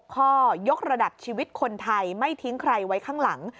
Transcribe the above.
ข้อยกระดับชีวิตคนไทยไม่ทิ้งใครไว้ข้างหลัง